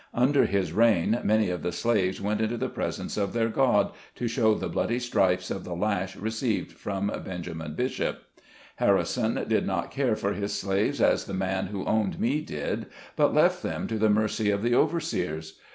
Under his reign, many of the slaves went into the presence of their God, to show the bloody stripes of the lash received from Ben. Bishop. Harrison did not care for his slaves as the man who owned me did, but left them to the mercy of the overseers.